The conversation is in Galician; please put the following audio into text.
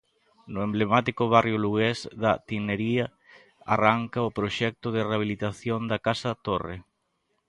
No emblemático barrio lugués da Tinería arranca o proxecto de rehabilitación da casa torre.